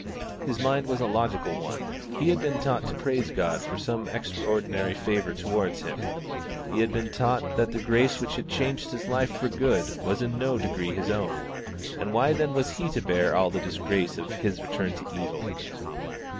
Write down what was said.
His mind was a logical one. He had been taught to praise God for some extraordinary favour towards him; he had been taught that the grace which had changed his life for good was in no degree his own; and why then was he to bear all the disgrace of his return to evil?